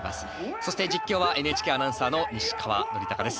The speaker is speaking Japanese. そして実況はＮＨＫアナウンサーの西川典孝です。